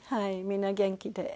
みんな元気で。